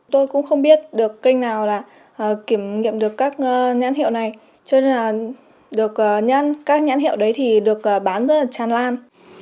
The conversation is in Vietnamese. tôi cũng không biết được kênh nào kiểm nghiệm được các nhãn hiệu này cho nên là các nhãn hiệu đấy thì được bán rất là tràn lan